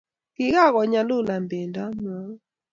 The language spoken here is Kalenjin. Kikakonyalulan Pendo amwaun.